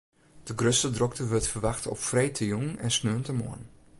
De grutste drokte wurdt ferwachte op freedtejûn en sneontemoarn.